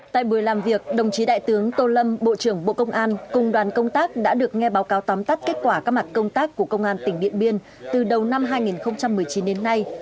tại buổi làm việc đồng chí đại tướng tô lâm bộ trưởng bộ công an cùng đoàn công tác đã được nghe báo cáo tóm tắt kết quả các mặt công tác của công an tỉnh điện biên từ đầu năm hai nghìn một mươi chín đến nay